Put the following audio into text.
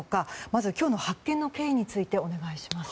まず、今日の発見の経緯についてお願いします。